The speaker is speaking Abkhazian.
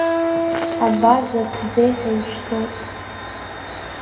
Абазас-ӡе ҳәа ишьҭоуп.